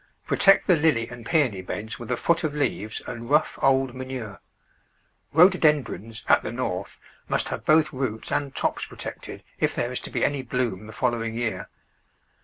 Protect the Lily and Peony beds with a foot of leaves and rough, old manure. Rhododen drons, at the North, must have both roots and tops protected if there is to be any bloom the following year.